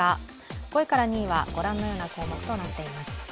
５位から２位にはご覧のような項目となっています。